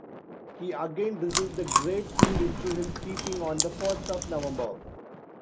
He again received the Great Seal into his keeping on the first of November.